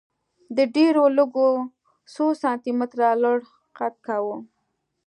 دې ډېرو لږو څو سانتي متره لوړ قد کاوه